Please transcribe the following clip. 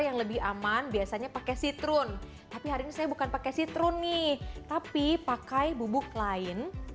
yang lebih aman biasanya pakai citrun tapi hari ini saya bukan pakai citrun nih tapi pakai bubuk lain